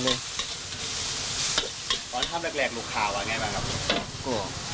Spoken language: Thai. พอทำแรกลูกขาวหรือยังไงรึยังครับ